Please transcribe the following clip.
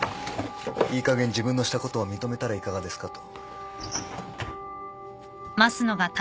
いいかげん自分のしたことを認めたらいかがですかと。